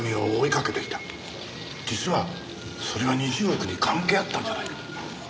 実はそれが２０億に関係あったんじゃないか。